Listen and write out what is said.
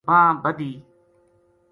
بانہہ بَدھی